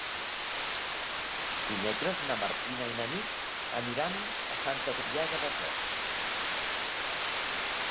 Dimecres na Martina i na Nit aniran a Sant Adrià de Besòs.